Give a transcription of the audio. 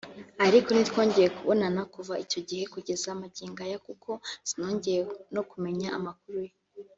Ariko ntitwongeye kubonana kuva icyo gihe kugeza magingo aya kuko sinongeye no kumenya amakuru ye